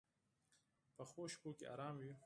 پخو شپو کې آرام وي